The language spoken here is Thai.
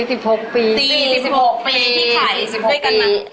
๔๖ปีที่ขาย๑๖ปีนะ